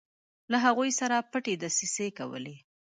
له هغوی سره پټې دسیسې کولې.